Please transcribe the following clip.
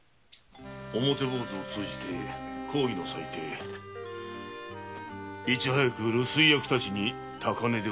表坊主を通じて公儀の裁定をいち早く留守居役たちに高値で売りさばくか。